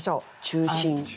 中心。